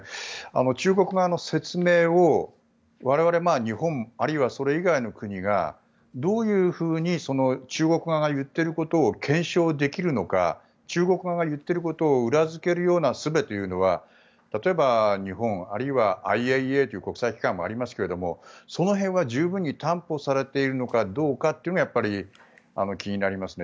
中国側の説明を我々、日本あるいはそれ以外の国がどういうふうに中国側が言っていることを検証できるのか中国側が言っていることを裏付けるようなすべというのは例えば、日本あるいはＩＡＥＡという国際機関もありますがその辺は十分に担保されているのかどうか気になりますね。